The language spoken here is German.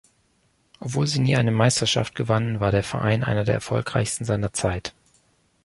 Obwohl sie nie eine Meisterschaften gewannen, war der Verein einer der erfolgreichsten seiner Zeit.